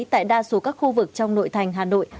tại đa số các khu vực trong nội thành hà nội